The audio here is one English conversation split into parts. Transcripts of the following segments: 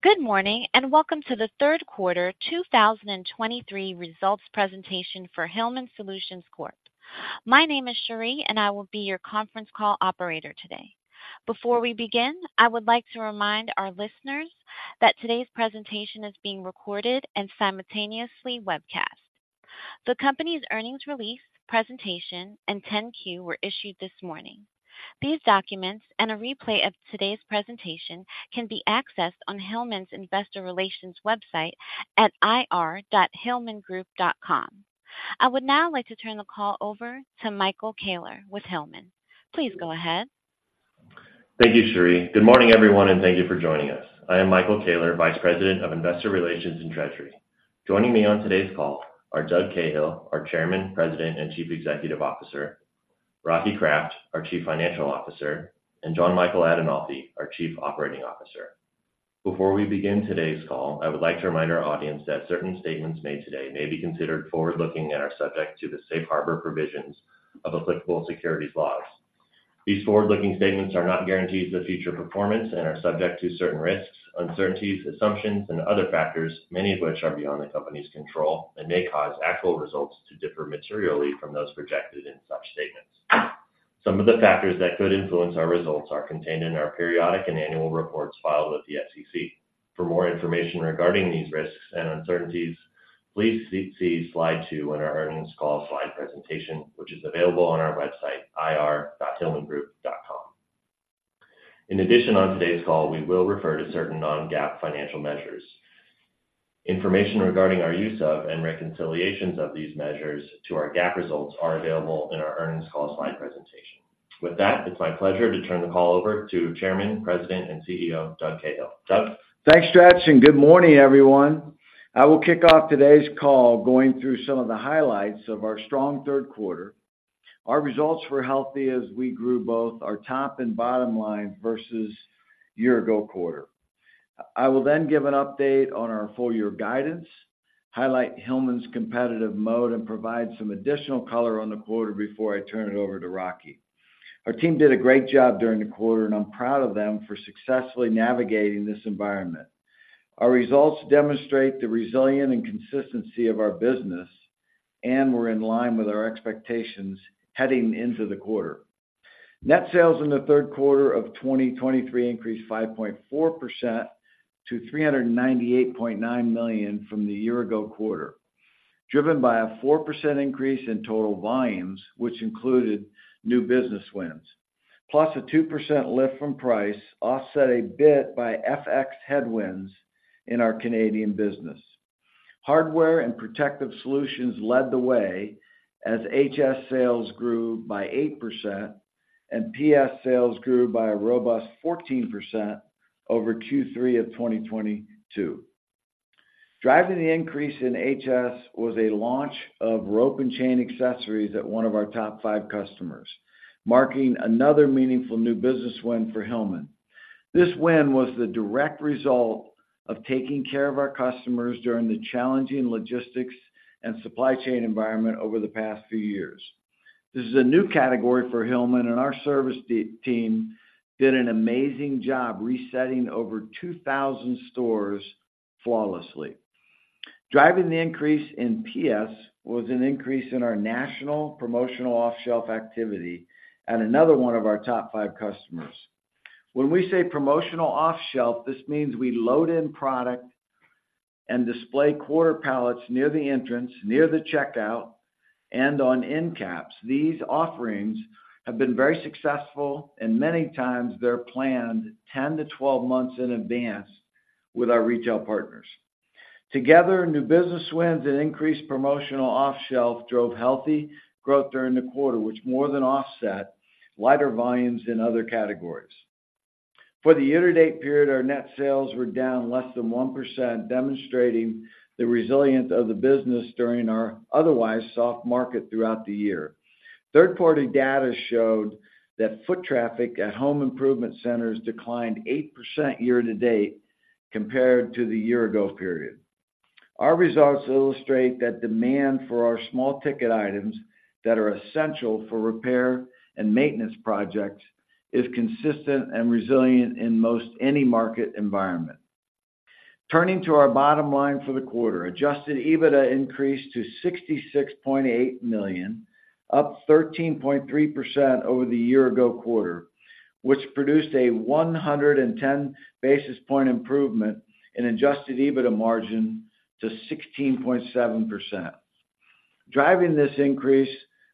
Good morning, and welcome to the third quarter 2023 results presentation for Hillman Solutions Corp. My name is Cherie, and I will be your conference call operator today. Before we begin, I would like to remind our listeners that today's presentation is being recorded and simultaneously webcast. The company's earnings release, presentation, and 10-Q were issued this morning. These documents and a replay of today's presentation can be accessed on Hillman's Investor Relations website at ir.hillmangroup.com. I would now like to turn the call over to Michael Koehler with Hillman. Please go ahead. Thank you, Cherie. Good morning, everyone, and thank you for joining us. I am Michael Koehler, Vice President of Investor Relations and Treasury. Joining me on today's call are Doug Cahill, our Chairman, President, and Chief Executive Officer, Rocky Kraft, our Chief Financial Officer, and Jon Michael Adinolfi, our Chief Operating Officer. Before we begin today's call, I would like to remind our audience that certain statements made today may be considered forward-looking and are subject to the safe harbor provisions of applicable securities laws. These forward-looking statements are not guarantees of future performance and are subject to certain risks, uncertainties, assumptions, and other factors, many of which are beyond the company's control, and may cause actual results to differ materially from those projected in such statements. Some of the factors that could influence our results are contained in our periodic and annual reports filed with the SEC. For more information regarding these risks and uncertainties, please see slide two in our earnings call slide presentation, which is available on our website, ir.hillmangroup.com. In addition, on today's call, we will refer to certain non-GAAP financial measures. Information regarding our use of and reconciliations of these measures to our GAAP results are available in our earnings call slide presentation. With that, it's my pleasure to turn the call over to Chairman, President, and CEO, Doug Cahill. Doug? Thanks, Stretch, and good morning, everyone. I will kick off today's call going through some of the highlights of our strong third quarter. Our results were healthy as we grew both our top and bottom line versus year ago quarter. I will then give an update on our full year guidance, highlight Hillman's competitive mode, and provide some additional color on the quarter before I turn it over to Rocky. Our team did a great job during the quarter, and I'm proud of them for successfully navigating this environment. Our results demonstrate the resilience and consistency of our business, and we're in line with our expectations heading into the quarter. Net sales in the third quarter of 2023 increased 5.4% to $398.9 million from the year ago quarter, driven by a 4% increase in total volumes, which included new business wins, plus a 2% lift from price, offset a bit by FX headwinds in our Canadian business. Hardware and Protective Solutions led the way as HS sales grew by 8% and PS sales grew by a robust 14% over Q3 of 2022. Driving the increase in HS was a launch of rope and chain accessories at one of our top five customers, marking another meaningful new business win for Hillman. This win was the direct result of taking care of our customers during the challenging logistics and supply chain environment over the past few years. This is a new category for Hillman, and our service delivery team did an amazing job resetting over 2,000 stores flawlessly. Driving the increase in PS was an increase in our national promotional off-shelf activity at another one of our top five customers. When we say promotional off-shelf, this means we load in product and display quarter pallets near the entrance, near the checkout, and on end caps. These offerings have been very successful and many times they're planned 10-12 months in advance with our retail partners. Together, new business wins and increased promotional off shelf drove healthy growth during the quarter, which more than offset lighter volumes in other categories. For the year-to-date period, our net sales were down less than 1%, demonstrating the resilience of the business during our otherwise soft market throughout the year. Third-party data showed that foot traffic at home improvement centers declined 8% year to date compared to the year ago period. Our results illustrate that demand for our small ticket items that are essential for repair and maintenance projects is consistent and resilient in most any market environment. Turning to our bottom line for the quarter, Adjusted EBITDA increased to $66.8 million, up 13.3% over the year ago quarter, which produced a 110 basis point improvement in Adjusted EBITDA margin to 16.7%. Driving this increase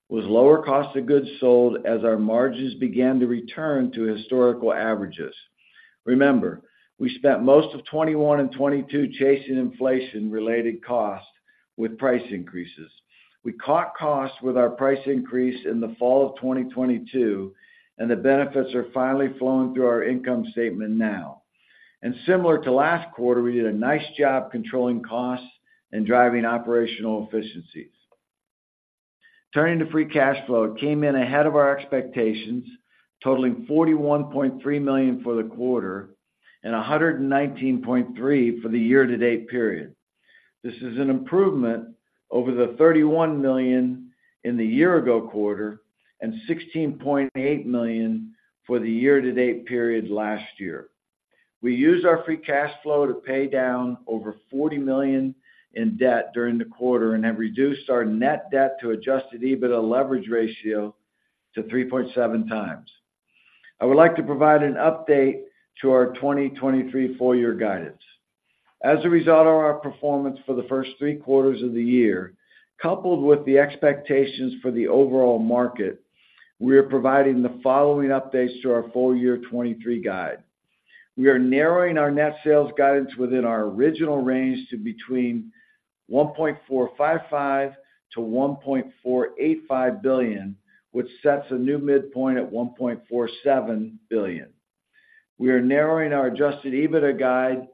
was lower cost of goods sold as our margins began to return to historical averages. Remember, we spent most of 2021 and 2022 chasing inflation-related costs with price increases. We caught costs with our price increase in the fall of 2022, and the benefits are finally flowing through our income statement now. Similar to last quarter, we did a nice job controlling costs and driving operational efficiencies. Turning to free cash flow, it came in ahead of our expectations, totaling $41.3 million for the quarter and $119.3 million for the year-to-date period. This is an improvement over the $31 million in the year-ago quarter, and $16.8 million for the year-to-date period last year. We used our free cash flow to pay down over $40 million in debt during the quarter and have reduced our net debt to Adjusted EBITDA leverage ratio to 3.7 times. I would like to provide an update to our 2023 full year guidance. As a result of our performance for the first three quarters of the year, coupled with the expectations for the overall market, we are providing the following updates to our full-year 2023 guide. We are narrowing our net sales guidance within our original range to between $1.455 billion-$1.485 billion, which sets a new midpoint at $1.47 billion. We are narrowing our Adjusted EBITDA guide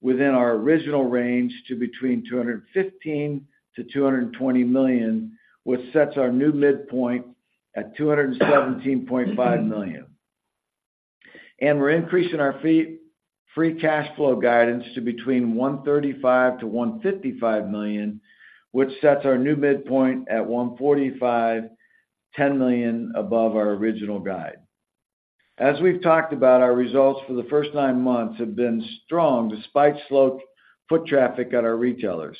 within our original range to between $215 million-$220 million, which sets our new midpoint at $217.5 million. We're increasing our free cash flow guidance to between $135 million-$155 million, which sets our new midpoint at $145 million $10 million above our original guide. As we've talked about, our results for the first nine months have been strong despite slow foot traffic at our retailers.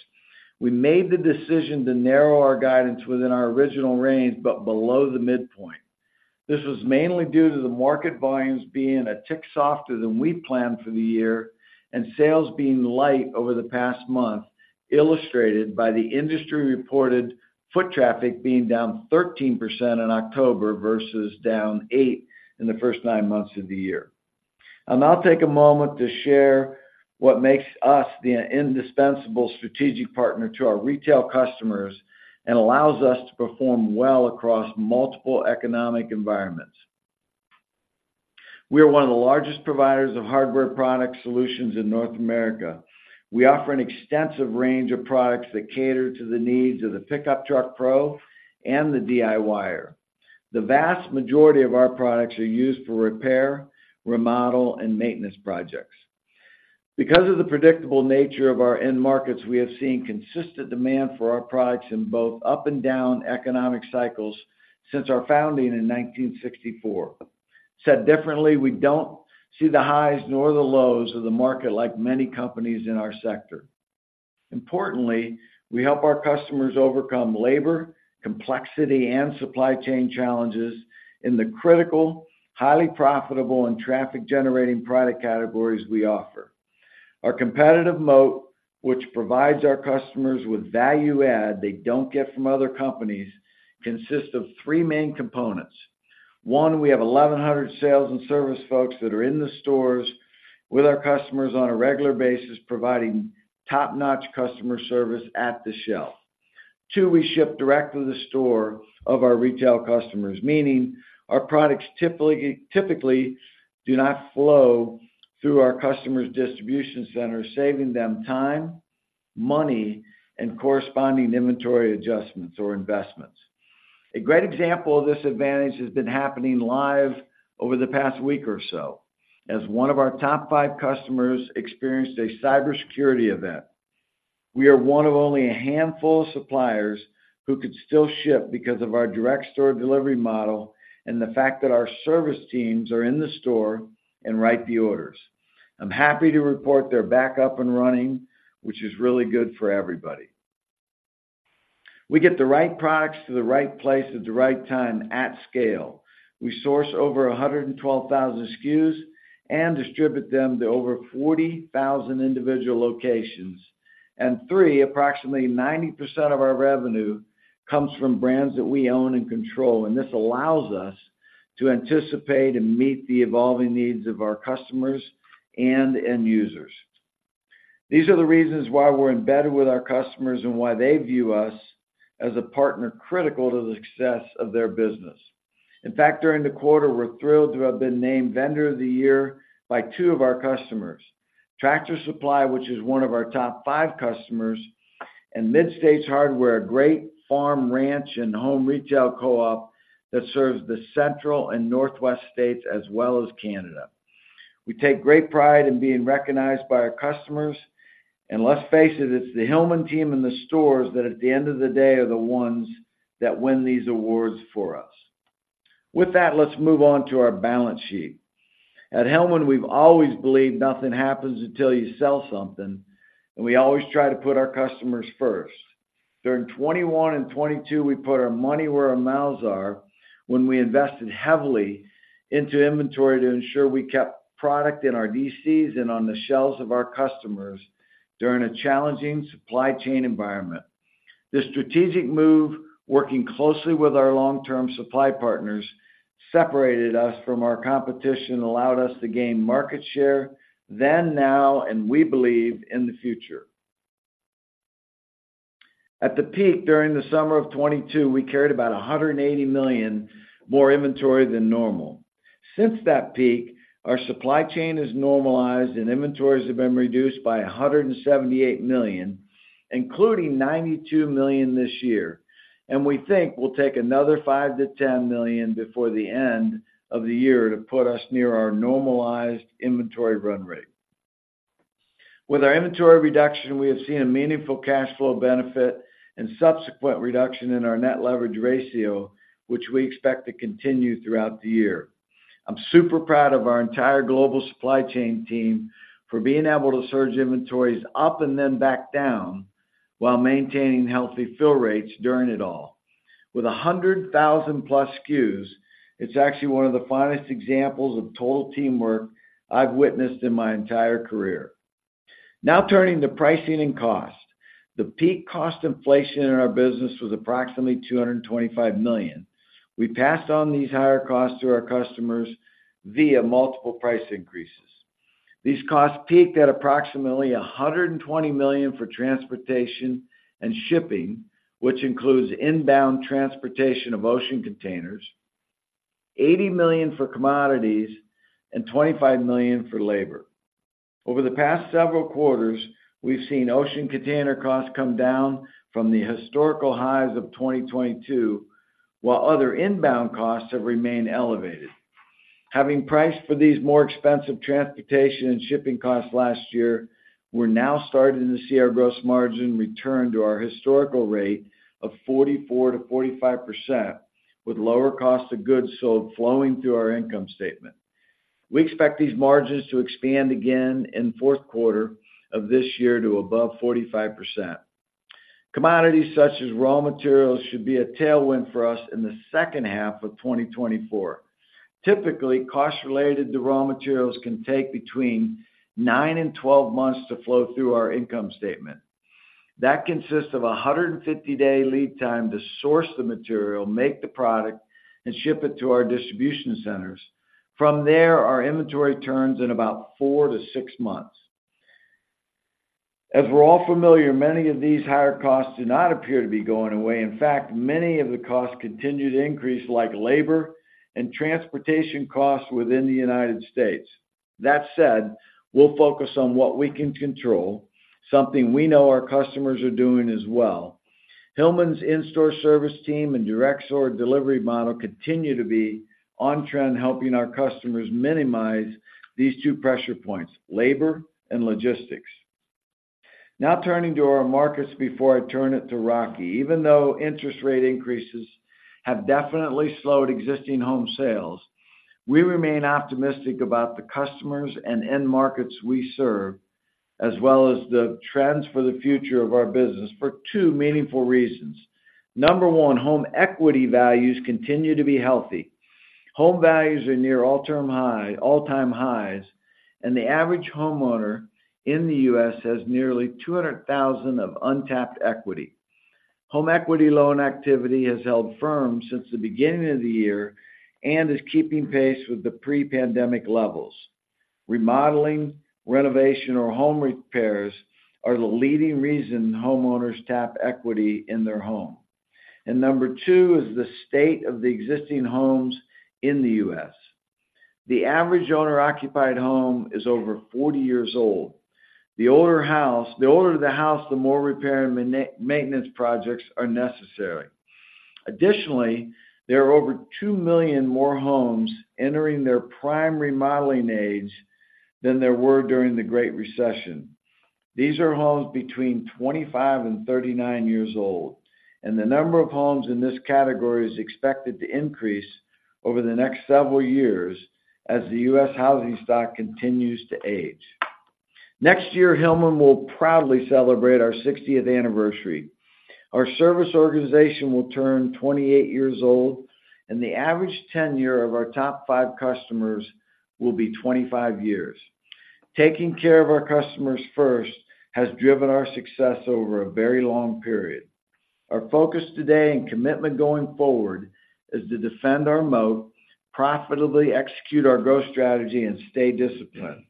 We made the decision to narrow our guidance within our original range, but below the midpoint. This was mainly due to the market volumes being a tick softer than we planned for the year, and sales being light over the past month, illustrated by the industry-reported foot traffic being down 13% in October versus down 8% in the first nine months of the year. I'll take a moment to share what makes us the indispensable strategic partner to our retail customers and allows us to perform well across multiple economic environments. We are one of the largest providers of hardware product solutions in North America. We offer an extensive range of products that cater to the needs of the pickup truck pro and the DIYer. The vast majority of our products are used for repair, remodel, and maintenance projects. Because of the predictable nature of our end markets, we have seen consistent demand for our products in both up and down economic cycles since our founding in 1964. Said differently, we don't see the highs nor the lows of the market like many companies in our sector. Importantly, we help our customers overcome labor, complexity, and supply chain challenges in the critical, highly profitable, and traffic-generating product categories we offer. Our competitive moat, which provides our customers with value add they don't get from other companies, consists of three main components. One, we have 1,100 sales and service folks that are in the stores with our customers on a regular basis, providing top-notch customer service at the shelf. Two, we ship direct to the store of our retail customers, meaning our products typically do not flow through our customers' distribution centers, saving them time, money, and corresponding inventory adjustments or investments. A great example of this advantage has been happening live over the past week or so, as one of our top five customers experienced a cybersecurity event. We are one of only a handful of suppliers who could still ship because of our direct store delivery model and the fact that our service teams are in the store and write the orders. I'm happy to report they're back up and running, which is really good for everybody. We get the right products to the right place at the right time at scale. We source over 112,000 SKUs and distribute them to over 40,000 individual locations. Three, approximately 90% of our revenue comes from brands that we own and control, and this allows us to anticipate and meet the evolving needs of our customers and end users. These are the reasons why we're embedded with our customers and why they view us as a partner critical to the success of their business. In fact, during the quarter, we're thrilled to have been named Vendor of the Year by two of our customers, Tractor Supply, which is one of our top five customers, and Mid-States Hardware, a great farm, ranch, and home retail co-op that serves the central and northwest states as well as Canada. We take great pride in being recognized by our customers, and let's face it, it's the Hillman team and the stores that at the end of the day, are the ones that win these awards for us. With that, let's move on to our balance sheet. At Hillman, we've always believed nothing happens until you sell something, and we always try to put our customers first. During 2021 and 2022, we put our money where our mouths are when we invested heavily into inventory to ensure we kept product in our DCs and on the shelves of our customers during a challenging supply chain environment. This strategic move, working closely with our long-term supply partners, separated us from our competition and allowed us to gain market share then, now, and we believe in the future. At the peak, during the summer of 2022, we carried about $180 million more inventory than normal. Since that peak, our supply chain has normalized and inventories have been reduced by $178 million, including $92 million this year, and we think we'll take another $5 million-$10 million before the end of the year to put us near our normalized inventory run rate. With our inventory reduction, we have seen a meaningful cash flow benefit and subsequent reduction in our net leverage ratio, which we expect to continue throughout the year. I'm super proud of our entire global supply chain team for being able to surge inventories up and then back down, while maintaining healthy fill rates during it all. With 100,000+ SKUs, it's actually one of the finest examples of total teamwork I've witnessed in my entire career. Now, turning to pricing and cost. The peak cost inflation in our business was approximately $225 million. We passed on these higher costs to our customers via multiple price increases. These costs peaked at approximately $120 million for transportation and shipping, which includes inbound transportation of ocean containers, $80 million for commodities, and $25 million for labor. Over the past several quarters, we've seen ocean container costs come down from the historical highs of 2022, while other inbound costs have remained elevated. Having priced for these more expensive transportation and shipping costs last year, we're now starting to see our gross margin return to our historical rate of 44%-45%, with lower costs of goods sold flowing through our income statement. We expect these margins to expand again in fourth quarter of this year to above 45%. Commodities such as raw materials should be a tailwind for us in the second half of 2024. Typically, costs related to raw materials can take between 9 and 12 months to flow through our income statement. That consists of a 150-day lead time to source the material, make the product, and ship it to our distribution centers. From there, our inventory turns in about 4-6 months. As we're all familiar, many of these higher costs do not appear to be going away. In fact, many of the costs continue to increase, like labor and transportation costs within the United States. That said, we'll focus on what we can control, something we know our customers are doing as well. Hillman's in-store service team and direct store delivery model continue to be on trend, helping our customers minimize these two pressure points: labor and logistics. Now, turning to our markets before I turn it to Rocky. Even though interest rate increases have definitely slowed existing home sales, we remain optimistic about the customers and end markets we serve, as well as the trends for the future of our business for two meaningful reasons. Number one, home equity values continue to be healthy. Home values are near all-time highs, and the average homeowner in the U.S. has nearly 200,000 of untapped equity. Home equity loan activity has held firm since the beginning of the year and is keeping pace with the pre-pandemic levels. Remodeling, renovation, or home repairs are the leading reason homeowners tap equity in their home. Number two is the state of the existing homes in the U.S. The average owner-occupied home is over 40 years old. The older the house, the more repair and maintenance projects are necessary. Additionally, there are over 2 million more homes entering their prime remodeling age than there were during the Great Recession. These are homes between 25 and 39 years old, and the number of homes in this category is expected to increase over the next several years as the U.S. housing stock continues to age. Next year, Hillman will proudly celebrate our 60th anniversary. Our service organization will turn 28 years old, and the average tenure of our top five customers will be 25 years. Taking care of our customers first has driven our success over a very long period. Our focus today and commitment going forward is to defend our moat, profitably execute our growth strategy, and stay disciplined.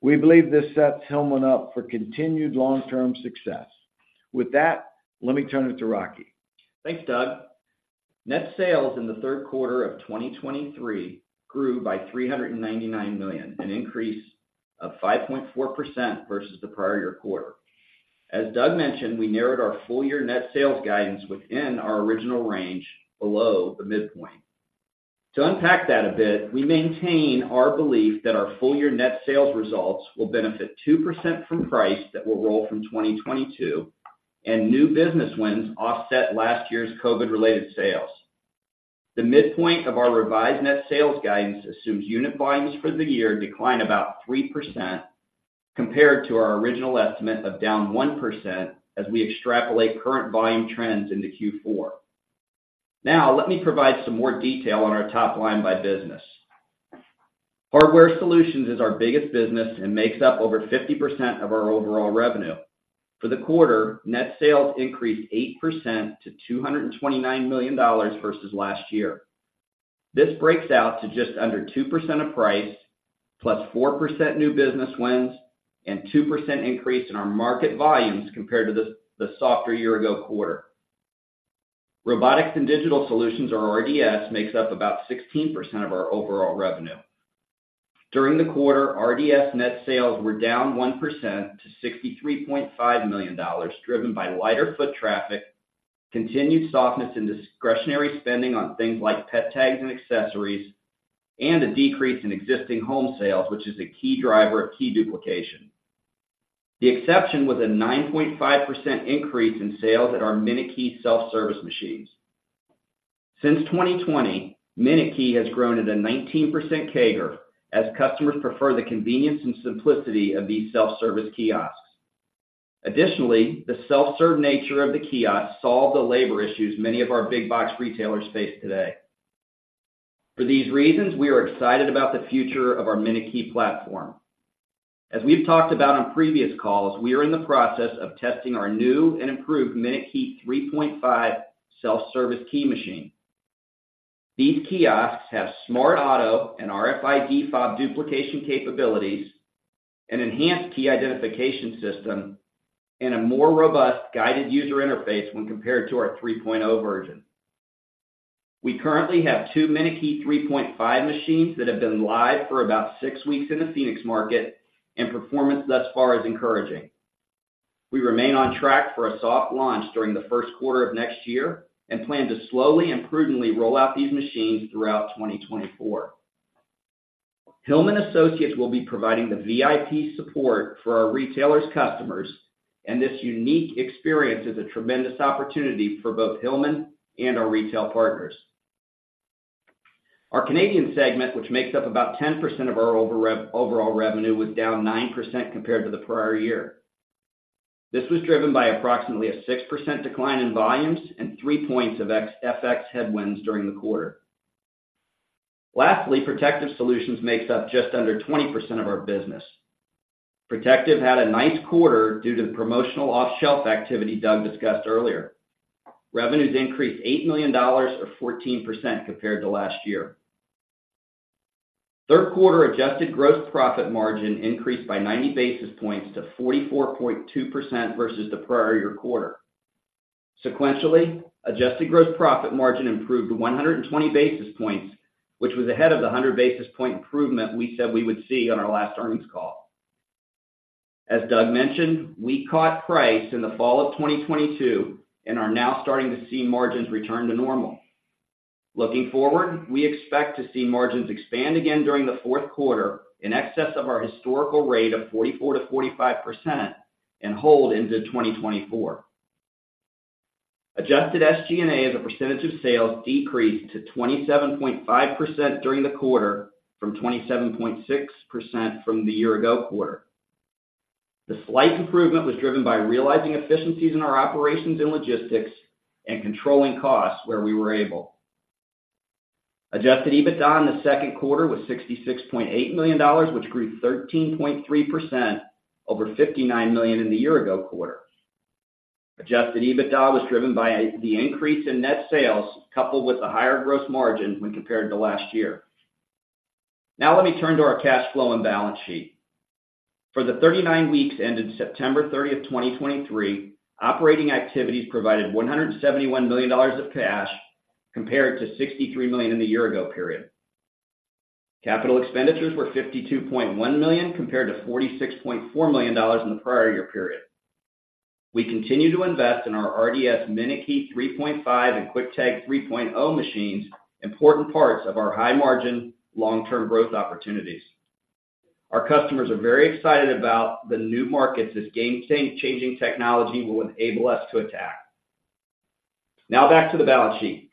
We believe this sets Hillman up for continued long-term success. With that, let me turn it to Rocky. Thanks, Doug. Net sales in the third quarter of 2023 grew by $399 million, an increase of 5.4% versus the prior year quarter. As Doug mentioned, we narrowed our full-year net sales guidance within our original range, below the midpoint. To unpack that a bit, we maintain our belief that our full-year net sales results will benefit 2% from price that will roll from 2022, and new business wins offset last year's COVID-related sales. The midpoint of our revised net sales guidance assumes unit volumes for the year decline about 3% compared to our original estimate of down 1%, as we extrapolate current volume trends into Q4. Now, let me provide some more detail on our top line by business. Hardware Solutions is our biggest business and makes up over 50% of our overall revenue. For the quarter, net sales increased 8% to $229 million versus last year. This breaks out to just under 2% of price, plus 4% new business wins, and 2% increase in our market volumes compared to the softer year-ago quarter. Robotics and Digital Solutions, or RDS, makes up about 16% of our overall revenue. During the quarter, RDS net sales were down 1% to $63.5 million, driven by lighter foot traffic, continued softness in discretionary spending on things like pet tags and accessories, and a decrease in existing home sales, which is a key driver of key duplication. The exception was a 9.5% increase in sales at our Minute Key self-service machines. Since 2020, Minute Key has grown at a 19% CAGR as customers prefer the convenience and simplicity of these self-service kiosks. Additionally, the self-serve nature of the kiosk solved the labor issues many of our big box retailers face today. For these reasons, we are excited about the future of our Minute Key platform. As we've talked about on previous calls, we are in the process of testing our new and improved Minute Key 3.5 self-service key machine. These kiosks have smart auto and RFID fob duplication capabilities, an enhanced key identification system, and a more robust guided user interface when compared to our 3.0 version. We currently have two Minute Key 3.5 machines that have been live for about six weeks in the Phoenix market, and performance thus far is encouraging. We remain on track for a soft launch during the first quarter of next year, and plan to slowly and prudently roll out these machines throughout 2024. Hillman associates will be providing the VIP support for our retailers' customers, and this unique experience is a tremendous opportunity for both Hillman and our retail partners. Our Canadian segment, which makes up about 10% of our overall revenue, was down 9% compared to the prior year. This was driven by approximately a 6% decline in volumes and 3 points of FX headwinds during the quarter. Lastly, Protective Solutions makes up just under 20% of our business. Protective had a nice quarter due to the promotional off-shelf activity Doug discussed earlier. Revenues increased $8 million or 14% compared to last year. Third quarter adjusted gross profit margin increased by 90 basis points to 44.2% versus the prior year quarter. Sequentially, adjusted gross profit margin improved 120 basis points, which was ahead of the 100 basis point improvement we said we would see on our last earnings call. As Doug mentioned, we caught price in the fall of 2022 and are now starting to see margins return to normal. Looking forward, we expect to see margins expand again during the fourth quarter in excess of our historical rate of 44%-45% and hold into 2024. Adjusted SG&A as a percentage of sales decreased to 27.5% during the quarter, from 27.6% from the year ago quarter. The slight improvement was driven by realizing efficiencies in our operations and logistics and controlling costs where we were able. Adjusted EBITDA in the second quarter was $66.8 million, which grew 13.3% over $59 million in the year ago quarter. Adjusted EBITDA was driven by the increase in net sales, coupled with a higher gross margin when compared to last year. Now let me turn to our cash flow and balance sheet. For the 39 weeks ended September 30, 2023, operating activities provided $171 million of cash, compared to $63 million in the year ago period. Capital expenditures were $52.1 million, compared to $46.4 million in the prior year period. We continue to invest in our RDS Minute Key 3.5 and QuickTag 3.0 machines, important parts of our high-margin, long-term growth opportunities. Our customers are very excited about the new markets this game-changing technology will enable us to attack. Now back to the balance sheet.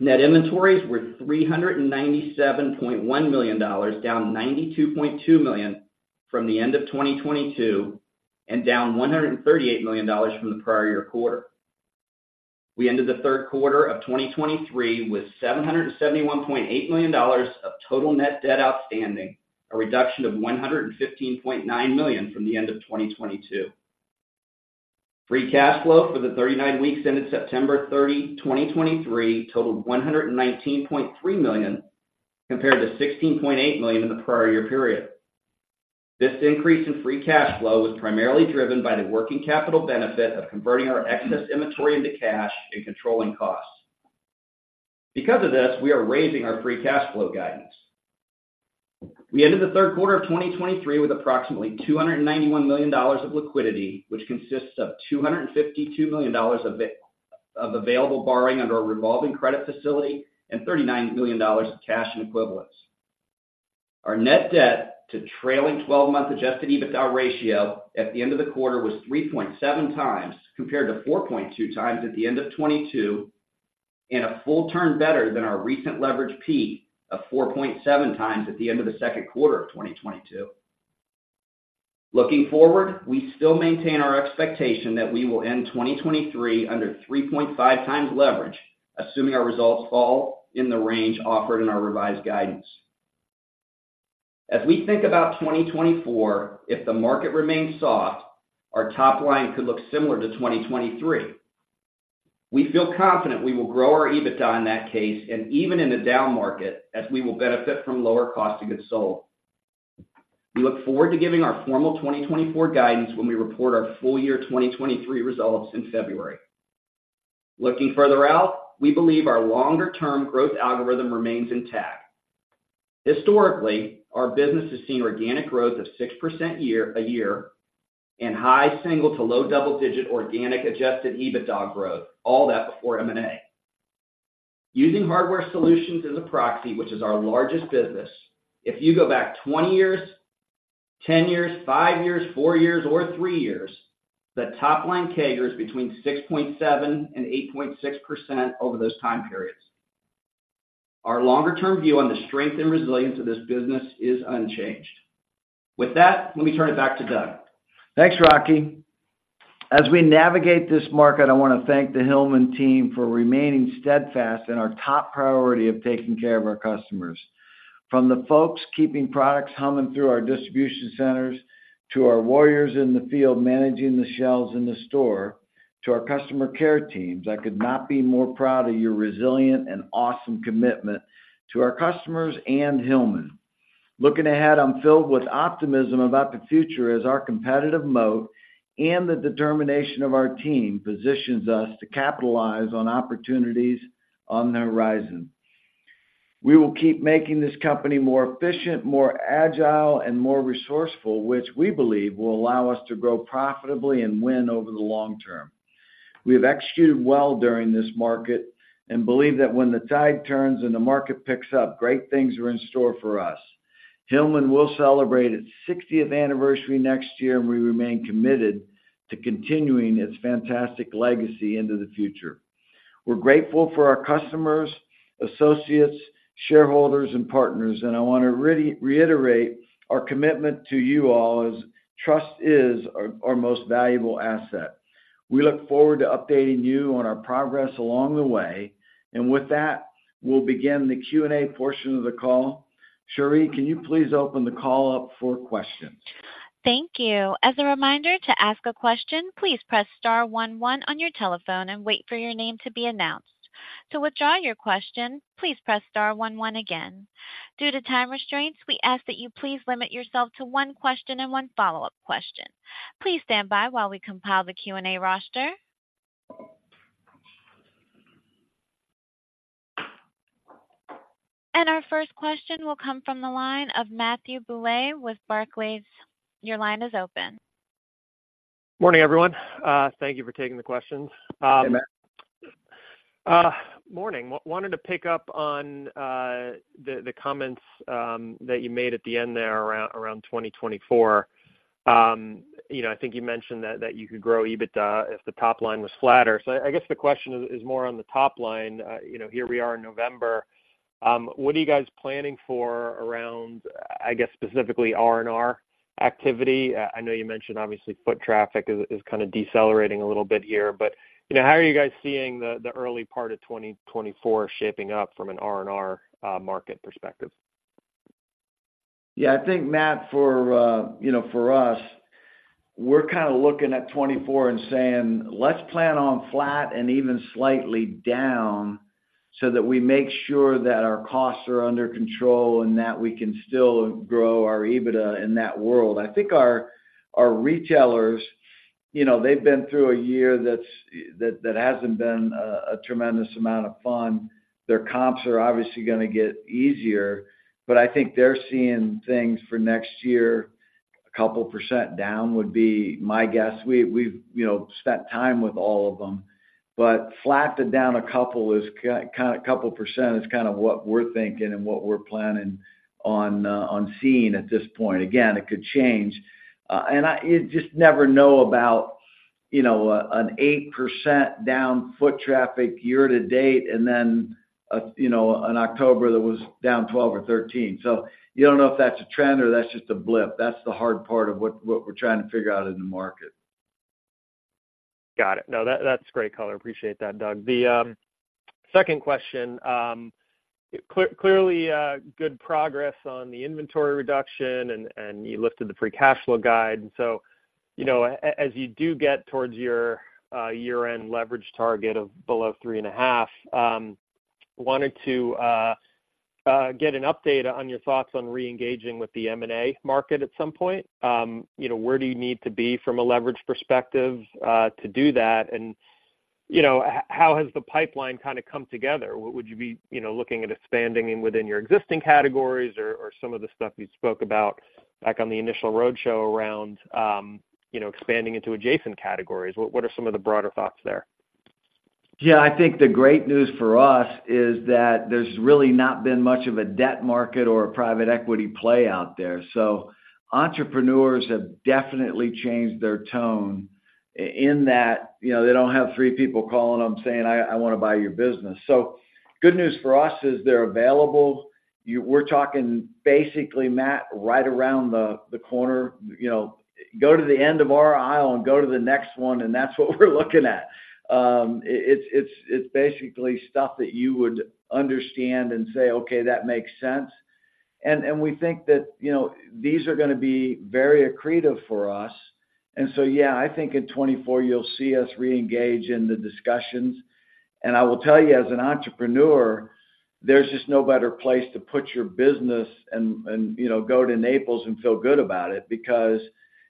Net inventories were $397.1 million, down $92.2 million from the end of 2022, and down $138 million from the prior year quarter. We ended the third quarter of 2023 with $771.8 million of total net debt outstanding, a reduction of $115.9 million from the end of 2022. Free cash flow for the 39 weeks ended September 30, 2023, totaled $119.3 million, compared to $16.8 million in the prior year period. This increase in free cash flow was primarily driven by the working capital benefit of converting our excess inventory into cash and controlling costs. Because of this, we are raising our free cash flow guidance. We ended the third quarter of 2023 with approximately $291 million of liquidity, which consists of $252 million of available borrowing under our revolving credit facility and $39 million of cash and equivalents. Our net debt to trailing twelve-month adjusted EBITDA ratio at the end of the quarter was 3.7 times, compared to 4.2 times at the end of 2022, and a full turn better than our recent leverage peak of 4.7 times at the end of the second quarter of 2022. Looking forward, we still maintain our expectation that we will end 2023 under 3.5 times leverage, assuming our results fall in the range offered in our revised guidance. As we think about 2024, if the market remains soft, our top line could look similar to 2023. We feel confident we will grow our EBITDA in that case and even in a down market, as we will benefit from lower cost of goods sold. We look forward to giving our formal 2024 guidance when we report our full year 2023 results in February. Looking further out, we believe our longer term growth algorithm remains intact. Historically, our business has seen organic growth of 6% year-over-year and high single-digit to low double-digit organic adjusted EBITDA growth, all that before M&A. Using Hardware Solutions as a proxy, which is our largest business, if you go back 20 years, 10 years, 5 years, 4 years, or 3 years, the top line CAGR is between 6.7% and 8.6% over those time periods. Our longer-term view on the strength and resilience of this business is unchanged. With that, let me turn it back to Doug. Thanks, Rocky. As we navigate this market, I want to thank the Hillman team for remaining steadfast in our top priority of taking care of our customers. From the folks keeping products humming through our distribution centers, to our warriors in the field managing the shelves in the store, to our customer care teams, I could not be more proud of your resilient and awesome commitment to our customers and Hillman. Looking ahead, I'm filled with optimism about the future as our competitive moat and the determination of our team positions us to capitalize on opportunities on the horizon. We will keep making this company more efficient, more agile, and more resourceful, which we believe will allow us to grow profitably and win over the long term. We have executed well during this market and believe that when the tide turns and the market picks up, great things are in store for us. Hillman will celebrate its sixtieth anniversary next year, and we remain committed to continuing its fantastic legacy into the future. We're grateful for our customers, associates, shareholders, and partners, and I want to reiterate our commitment to you all, as trust is our most valuable asset. We look forward to updating you on our progress along the way, and with that, we'll begin the Q&A portion of the call. Cherie, can you please open the call up for questions? Thank you. As a reminder to ask a question, please press star one one on your telephone and wait for your name to be announced. To withdraw your question, please press star one one again. Due to time restraints, we ask that you please limit yourself to one question and one follow-up question. Please stand by while we compile the Q&A roster. Our first question will come from the line of Matthew Bouley with Barclays. Your line is open. Morning, everyone. Thank you for taking the questions. Hey, Matt. Morning. Wanted to pick up on the comments that you made at the end there around 2024. You know, I think you mentioned that you could grow EBITDA if the top line was flatter. So I guess the question is more on the top line. You know, here we are in November. What are you guys planning for around, I guess, specifically R&R activity? I know you mentioned obviously foot traffic is kind of decelerating a little bit here, but you know, how are you guys seeing the early part of 2024 shaping up from an R&R market perspective? Yeah, I think, Matt, for, you know, for us, we're kind of looking at 2024 and saying, "Let's plan on flat and even slightly down, so that we make sure that our costs are under control and that we can still grow our EBITDA in that world." I think our retailers, you know, they've been through a year that's that hasn't been a tremendous amount of fun. Their comps are obviously gonna get easier, but I think they're seeing things for next year, a couple% down would be my guess. We've, you know, spent time with all of them, but flat to down a couple% is kinda couple% is kind of what we're thinking and what we're planning on seeing at this point. Again, it could change, and I... You just never know about, you know, an 8% down foot traffic year to date, and then, you know, an October that was down 12 or 13. So you don't know if that's a trend or that's just a blip. That's the hard part of what, what we're trying to figure out in the market. Got it. No, that's great color. Appreciate that, Doug. The second question, clearly, good progress on the inventory reduction and you lifted the free cash flow guide. And so, you know, as you do get towards your year-end leverage target of below 3.5, wanted to get an update on your thoughts on reengaging with the M&A market at some point. You know, where do you need to be from a leverage perspective to do that? And, you know, how has the pipeline kind of come together? Would you be, you know, looking at expanding within your existing categories or some of the stuff you spoke about, back on the initial roadshow around, you know, expanding into adjacent categories? What are some of the broader thoughts there? Yeah, I think the great news for us is that there's really not been much of a debt market or a private equity play out there. So entrepreneurs have definitely changed their tone in that, you know, they don't have three people calling them saying, "I want to buy your business." So good news for us is they're available. You know, we're talking basically, Matt, right around the corner. You know, go to the end of our aisle and go to the next one, and that's what we're looking at. It's basically stuff that you would understand and say, "Okay, that makes sense." And we think that, you know, these are gonna be very accretive for us. And so, yeah, I think in 2024, you'll see us reengage in the discussions. I will tell you, as an entrepreneur, there's just no better place to put your business and, you know, go to Naples and feel good about it, because,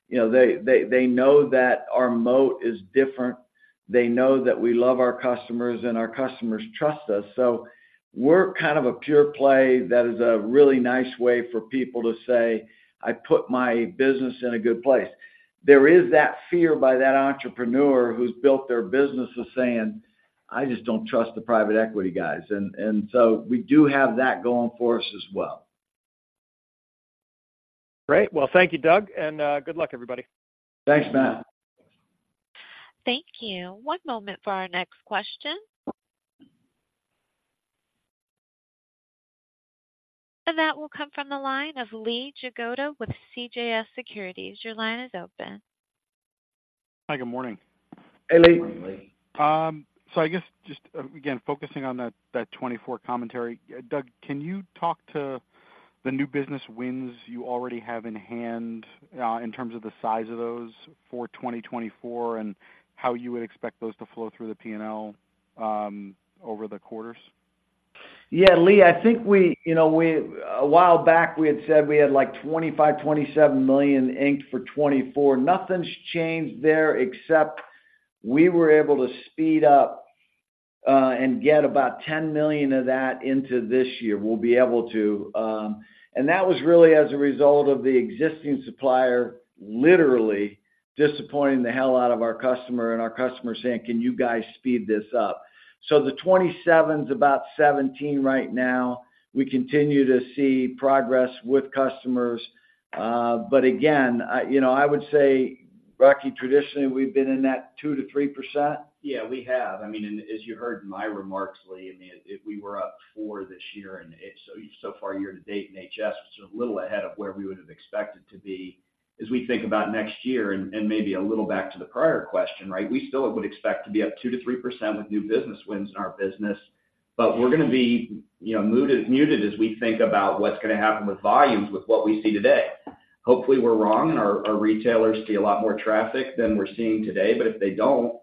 you know, they know that our moat is different. They know that we love our customers, and our customers trust us. So we're kind of a pure play that is a really nice way for people to say, "I put my business in a good place." There is that fear by that entrepreneur who's built their business of saying, "I just don't trust the private equity guys." And so we do have that going for us as well. Great. Well, thank you, Doug, and good luck, everybody. Thanks, Matt. Thank you. One moment for our next question. That will come from the line of Lee Jagoda with CJS Securities. Your line is open. Hi, good morning. Hey, Lee. Good morning, Lee. I guess just again, focusing on that 2024 commentary. Doug, can you talk to the new business wins you already have in hand, in terms of the size of those for 2024, and how you would expect those to flow through the P&L, over the quarters? Yeah, Lee, I think we, you know, a while back, we had said we had, like, $25-$27 million inked for 2024. Nothing's changed there, except we were able to speed up and get about $10 million of that into this year. We'll be able to. And that was really as a result of the existing supplier, literally disappointing the hell out of our customer, and our customer saying, "Can you guys speed this up?" So the $27 million's about $17 million right now. We continue to see progress with customers. But again, I, you know, I would say, Rocky, traditionally, we've been in that 2%-3%? Yeah, we have. I mean, and as you heard in my remarks, Lee, I mean, if we were up 4 this year, and it's so far, year to date, and HS is a little ahead of where we would have expected to be. As we think about next year and maybe a little back to the prior question, right? We still would expect to be up 2%-3% with new business wins in our business, but we're going to be, you know, muted, muted as we think about what's going to happen with volumes with what we see today. Hopefully, we're wrong, and our retailers see a lot more traffic than we're seeing today, but if they don't,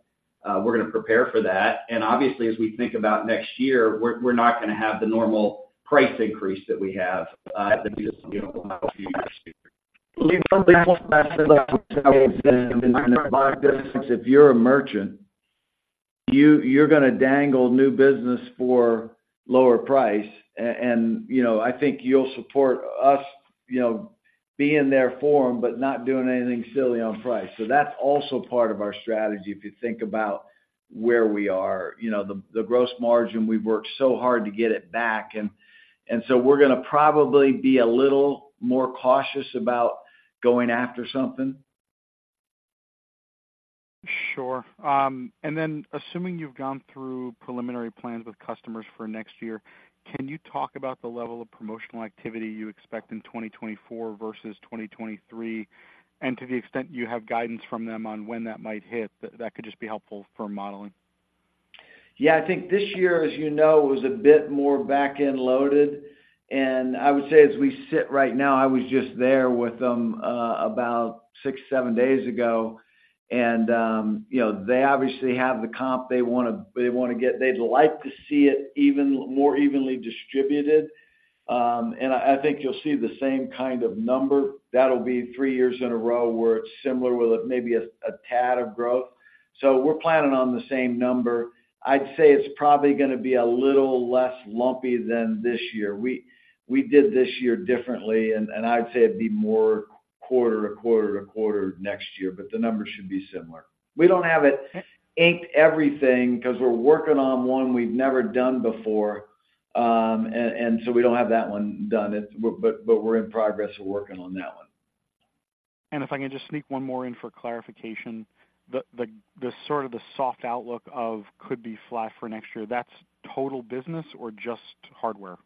we're going to prepare for that. Obviously, as we think about next year, we're not going to have the normal price increase that we have at the beginning of, you know, the last few years. Lee, from the perspective of if you're a merchant, you're going to dangle new business for lower price. And, you know, I think you'll support us, you know, being there for them, but not doing anything silly on price. So that's also part of our strategy, if you think about where we are. You know, the gross margin, we've worked so hard to get it back, and so we're going to probably be a little more cautious about going after something. Sure. And then assuming you've gone through preliminary plans with customers for next year, can you talk about the level of promotional activity you expect in 2024 versus 2023? And to the extent you have guidance from them on when that might hit, that could just be helpful for modeling. Yeah, I think this year, as you know, was a bit more back-end loaded. I would say as we sit right now, I was just there with them about 6-7 days ago, and you know, they obviously have the comp they wanna get. They'd like to see it even more evenly distributed. I think you'll see the same kind of number. That'll be 3 years in a row where it's similar with maybe a tad of growth. So we're planning on the same number. I'd say it's probably gonna be a little less lumpy than this year. We did this year differently, and I'd say it'd be more quarter to quarter to quarter next year, but the numbers should be similar. We don't have it inked everything because we're working on one we've never done before, and so we don't have that one done, but we're in progress of working on that one. If I can just sneak one more in for clarification. The sort of soft outlook that could be flat for next year, that's total business or just Hardware?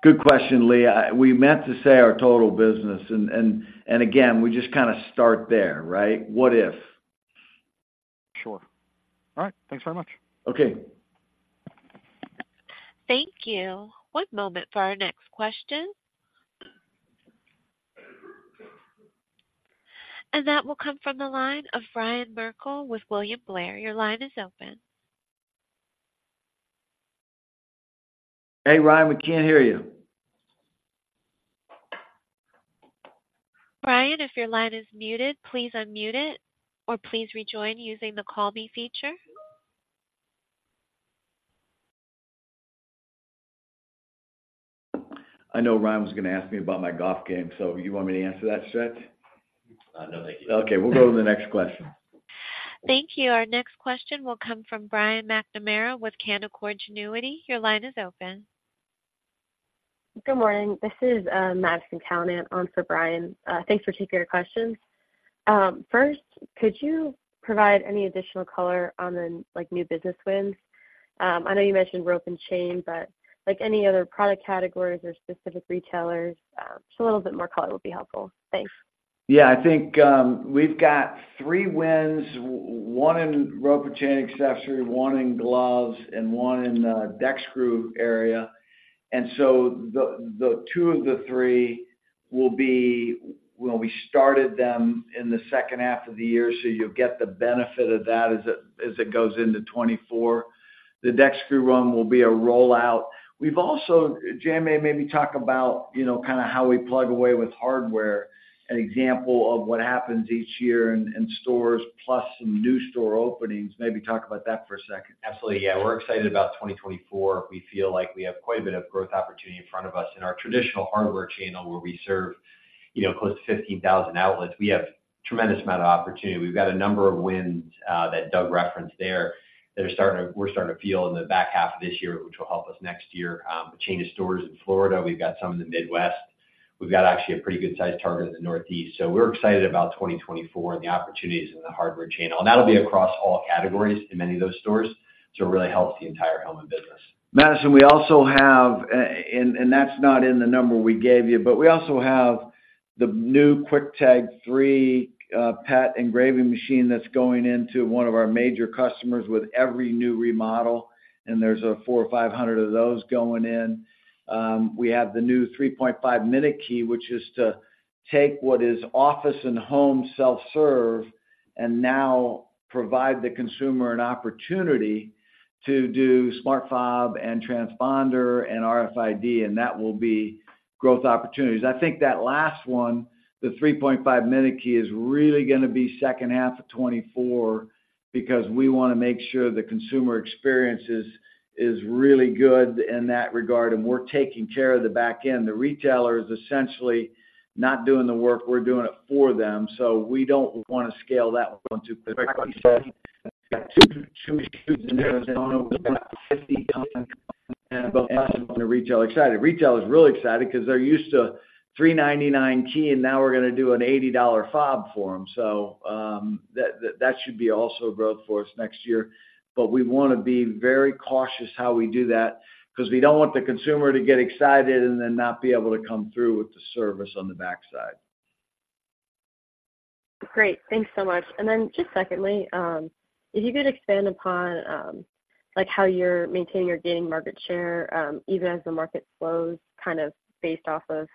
Good question, Lee. We meant to say our total business. And again, we just kind of start there, right? What if? Sure. All right. Thanks very much. Okay. Thank you. One moment for our next question. That will come from the line of Ryan Merkel with William Blair. Your line is open. Hey, Ryan, we can't hear you. Ryan, if your line is muted, please unmute it, or please rejoin using the call me feature. I know Ryan was going to ask me about my golf game, so you want me to answer that, Stretch? No, thank you. Okay, we'll go to the next question. Thank you. Our next question will come from Brian McNamara with Canaccord Genuity. Your line is open. Good morning. This is, Madison Callinan on for Brian. Thanks for taking our questions. First, could you provide any additional color on the, like, new business wins? I know you mentioned rope and chain, but, like, any other product categories or specific retailers, just a little bit more color would be helpful. Thanks. Yeah, I think, we've got three wins, one in rope and chain accessory, one in gloves, and one in deck screw area. And so the two of the three will be, well, we started them in the second half of the year, so you'll get the benefit of that as it goes into 2024. The deck screw win will be a rollout. We've also—J.M. may maybe talk about, you know, kind of how we plug away with hardware, an example of what happens each year in stores, plus some new store openings. Maybe talk about that for a second. Absolutely, yeah. We're excited about 2024. We feel like we have quite a bit of growth opportunity in front of us. In our traditional hardware channel where we serve, you know, close to 15,000 outlets, we have tremendous amount of opportunity. We've got a number of wins, that Doug referenced there, that are starting to, we're starting to feel in the back half of this year, which will help us next year. A chain of stores in Florida, we've got some in the Midwest. We've got actually a pretty good-sized target in the Northeast. So we're excited about 2024 and the opportunities in the hardware chain, and that'll be across all categories in many of those stores, so it really helps the entire Hillman business. Madison, we also have, and that's not in the number we gave you, but we also have the new QuickTag 3 pet engraving machine that's going into one of our major customers with every new remodel, and there's 400 or 500 of those going in. We have the new 3.5 Minute Key, which is to take what is office and home self-serve and now provide the consumer an opportunity to do smart fob and transponder and RFID, and that will be growth opportunities. I think that last one, the 3.5 Minute Key, is really gonna be second half of 2024 because we wanna make sure the consumer experience is really good in that regard, and we're taking care of the back end. The retailer is essentially not doing the work, we're doing it for them, so we don't want to scale that one too quickly.... Retail excited. Retail is really excited 'cause they're used to $3.99 key, and now we're gonna do an $80 fob for them. So, that should be also a growth for us next year. But we wanna be very cautious how we do that, 'cause we don't want the consumer to get excited and then not be able to come through with the service on the backside. Great. Thanks so much. And then just secondly, if you could expand upon, like, how you're maintaining or gaining market share, even as the market slows, kind of based off of,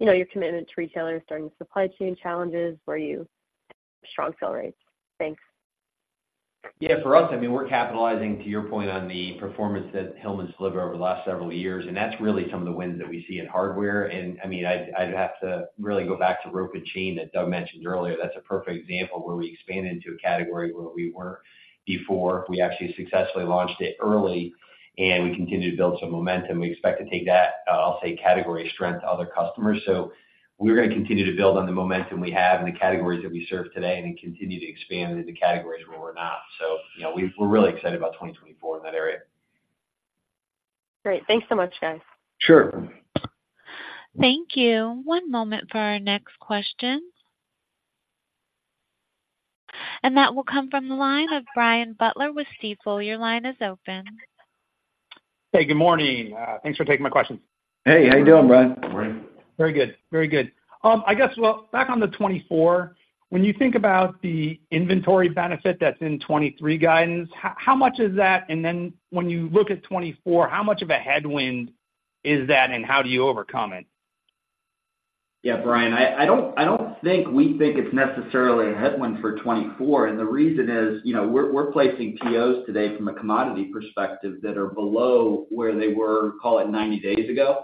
you know, your commitment to retailers during the supply chain challenges, with your strong fill rates? Thanks. Yeah, for us, I mean, we're capitalizing, to your point, on the performance that Hillman delivered over the last several years, and that's really some of the wins that we see in hardware. And I mean, I'd have to really go back to rope and chain that Doug mentioned earlier. That's a perfect example where we expanded into a category where we weren't before. We actually successfully launched it early, and we continued to build some momentum. We expect to take that, I'll say, category strength to other customers. So we're gonna continue to build on the momentum we have in the categories that we serve today and then continue to expand into the categories where we're not. So, you know, we're really excited about 2024 in that area. Great. Thanks so much, guys. Sure. Thank you. One moment for our next question. That will come from the line of Brian Butler with Stifel. Your line is open. Hey, good morning. Thanks for taking my questions. Hey, how you doing, Brian? Morning. Very good. Very good. I guess, well, back on the 2024, when you think about the inventory benefit that's in 2023 guidance, how, how much is that? And then when you look at 2024, how much of a headwind is that, and how do you overcome it? Yeah, Brian, I don't think we think it's necessarily a headwind for 2024, and the reason is, you know, we're placing POs today from a commodity perspective that are below where they were, call it, 90 days ago.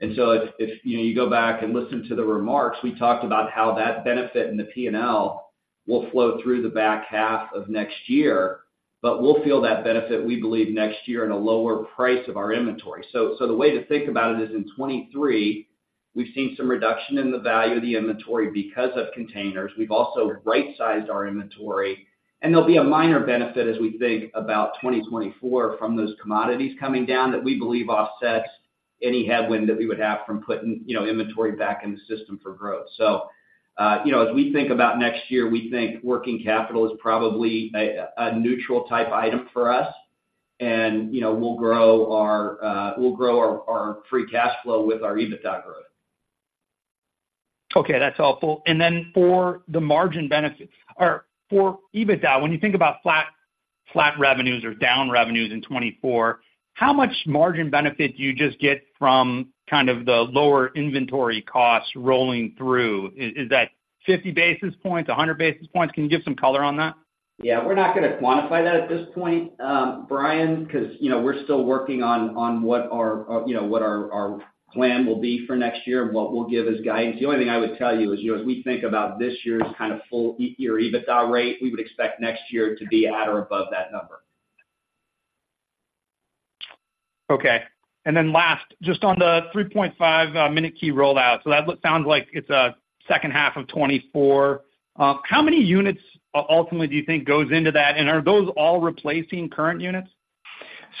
And so if you know, you go back and listen to the remarks, we talked about how that benefit in the P&L will flow through the back half of next year, but we'll feel that benefit, we believe, next year in a lower price of our inventory. So the way to think about it is, in 2023, we've seen some reduction in the value of the inventory because of containers. We've also right-sized our inventory, and there'll be a minor benefit as we think about 2024 from those commodities coming down, that we believe offsets any headwind that we would have from putting, you know, inventory back in the system for growth. So, you know, as we think about next year, we think working capital is probably a neutral type item for us and, you know, we'll grow our Free Cash Flow with our EBITDA growth. Okay, that's helpful. And then for the margin benefits or for EBITDA, when you think about flat, flat revenues or down revenues in 2024, how much margin benefit do you just get from kind of the lower inventory costs rolling through? Is that 50 basis points, 100 basis points? Can you give some color on that? Yeah. We're not gonna quantify that at this point, Brian, 'cause, you know, we're still working on what our plan will be for next year and what we'll give as guidance. The only thing I would tell you is, you know, as we think about this year's kind of full year EBITDA rate, we would expect next year to be at or above that number. Okay. And then last, just on the 3.5, Minute Key rollout. So that sounds like it's second half of 2024. How many units ultimately do you think goes into that, and are those all replacing current units?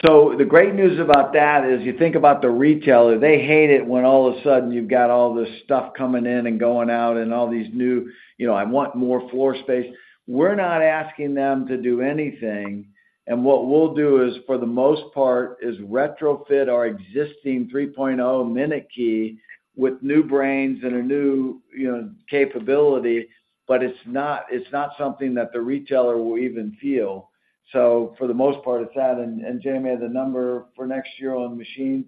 So the great news about that is, you think about the retailer, they hate it when all of a sudden you've got all this stuff coming in and going out and all these new... You know, I want more floor space. We're not asking them to do anything, and what we'll do is, for the most part, is retrofit our existing 3.0 Minute Key with new brains and a new, you know, capability. But it's not, it's not something that the retailer will even feel.... So for the most part, it's that, and, and J.M.e, the number for next year on the machines?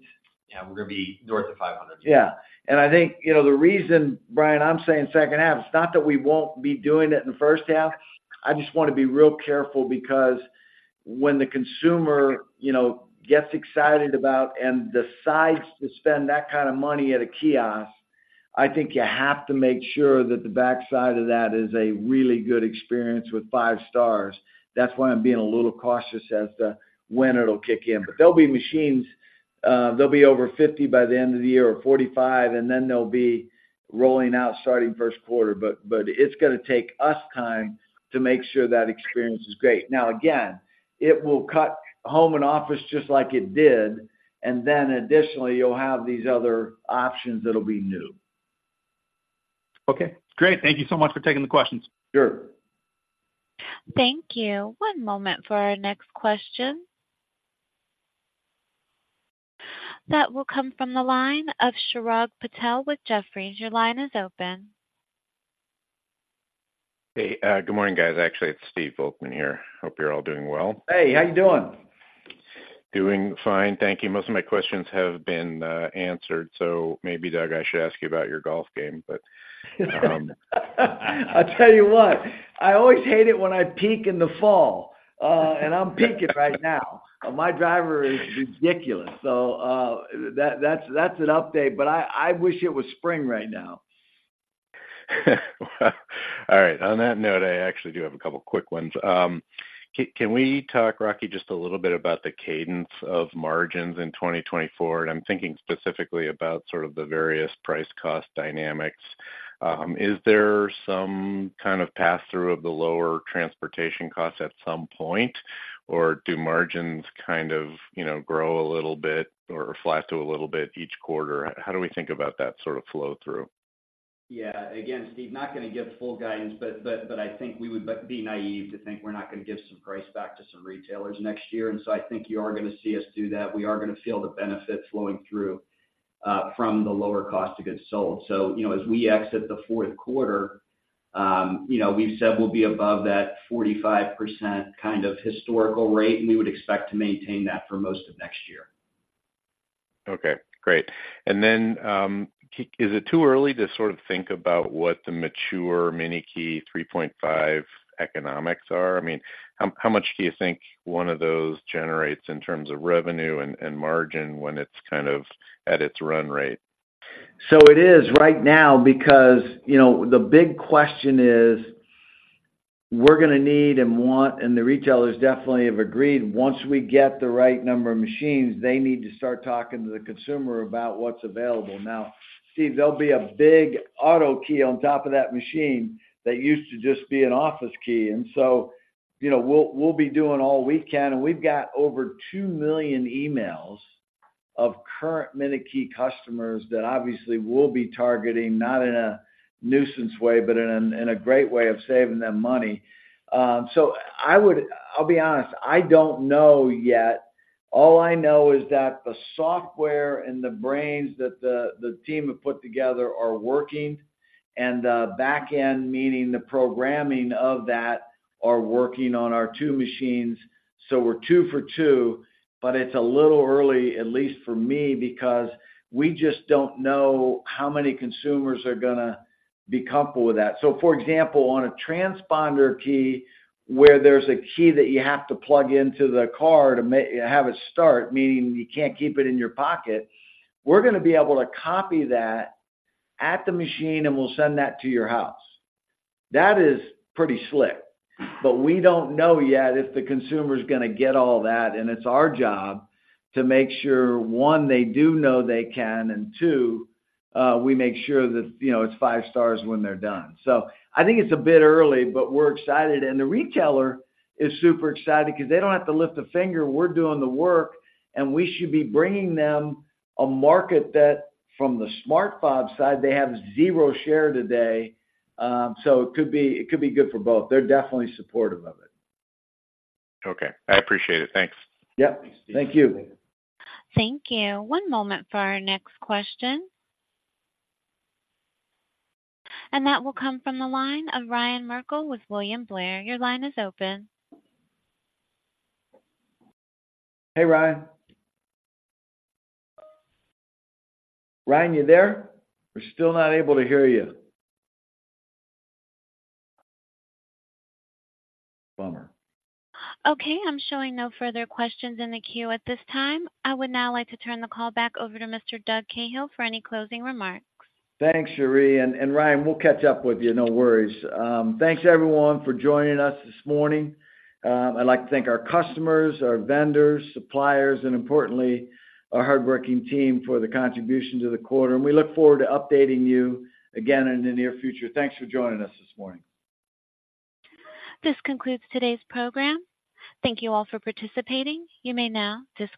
Yeah, we're gonna be north of 500. Yeah. And I think, you know, the reason, Brian, I'm saying second half, it's not that we won't be doing it in the first half. I just wanna be real careful because when the consumer, you know, gets excited about and decides to spend that kind of money at a kiosk, I think you have to make sure that the backside of that is a really good experience with five stars. That's why I'm being a little cautious as to when it'll kick in. But there'll be machines, they'll be over 50 by the end of the year or 45, and then they'll be rolling out starting first quarter, but, but it's gonna take us time to make sure that experience is great. Now, again, it will cut home and office just like it did, and then additionally, you'll have these other options that'll be new. Okay, great. Thank you so much for taking the questions. Sure. Thank you. One moment for our next question. That will come from the line of Chirag Patel with Jefferies. Your line is open. Hey, good morning, guys. Actually, it's Steve Volkman here. Hope you're all doing well. Hey, how you doing? Doing fine, thank you. Most of my questions have been answered, so maybe, Doug, I should ask you about your golf game, but... I tell you what, I always hate it when I peak in the fall, and I'm peaking right now. My driver is ridiculous. So, that's an update, but I wish it was spring right now. All right, on that note, I actually do have a couple quick ones. Can we talk, Rocky, just a little bit about the cadence of margins in 2024? And I'm thinking specifically about sort of the various price cost dynamics. Is there some kind of pass-through of the lower transportation costs at some point, or do margins kind of, you know, grow a little bit or flat to a little bit each quarter? How do we think about that sort of flow-through? Yeah. Again, Steve, not gonna give full guidance, but I think we would be naive to think we're not gonna give some price back to some retailers next year. And so I think you are gonna see us do that. We are gonna feel the benefit flowing through from the lower cost of goods sold. So, you know, as we exit the fourth quarter, you know, we've said we'll be above that 45% kind of historical rate, and we would expect to maintain that for most of next year. Okay, great. Is it too early to sort of think about what the mature Minute Key 3.5 economics are? I mean, how much do you think one of those generates in terms of revenue and margin when it's kind of at its run rate? So it is right now because, you know, the big question is, we're gonna need and want, and the retailers definitely have agreed, once we get the right number of machines, they need to start talking to the consumer about what's available. Now, Steve, there'll be a big auto key on top of that machine that used to just be an office key, and so, you know, we'll, we'll be doing all we can, and we've got over 2 million emails of current Minute Key customers that obviously we'll be targeting, not in a nuisance way, but in a, in a great way of saving them money. So I would... I'll be honest, I don't know yet. All I know is that the software and the brains that the team have put together are working, and the back end, meaning the programming of that, are working on our two machines. So we're two for two, but it's a little early, at least for me, because we just don't know how many consumers are gonna be comfortable with that. So, for example, on a transponder key, where there's a key that you have to plug into the car to make it start, meaning you can't keep it in your pocket, we're gonna be able to copy that at the machine, and we'll send that to your house. That is pretty slick, but we don't know yet if the consumer's gonna get all that, and it's our job to make sure, one, they do know they can, and two, we make sure that, you know, it's five stars when they're done. So I think it's a bit early, but we're excited, and the retailer is super excited because they don't have to lift a finger. We're doing the work, and we should be bringing them a market that, from the smart fob side, they have zero share today, so it could be, it could be good for both. They're definitely supportive of it. Okay. I appreciate it. Thanks. Yep. Thank you. Thank you. One moment for our next question. That will come from the line of Ryan Merkel with William Blair. Your line is open. Hey, Ryan. Ryan, you there? We're still not able to hear you. Bummer. Okay, I'm showing no further questions in the queue at this time. I would now like to turn the call back over to Mr. Doug Cahill for any closing remarks. Thanks, Cherie. And Ryan, we'll catch up with you, no worries. Thanks, everyone, for joining us this morning. I'd like to thank our customers, our vendors, suppliers, and importantly, our hardworking team for the contribution to the quarter. We look forward to updating you again in the near future. Thanks for joining us this morning. This concludes today's program. Thank you all for participating. You may now disconnect.